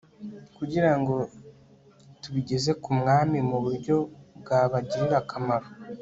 kugira ngo tubigeze ku mwami mu buryo bwabagirira akamaro